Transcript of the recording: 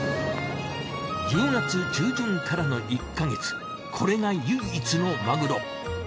１０月中旬からの１か月これが唯一のマグロ。